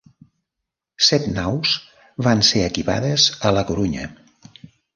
Set naus van ser equipades a La Corunya.